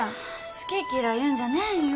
好き嫌い言うんじゃねんよ。